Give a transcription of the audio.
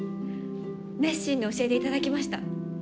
熱心に教えていただきました。